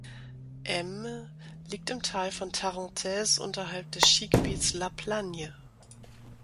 Aime liegt im Tal von Tarentaise unterhalb des Skigebiets La Plagne.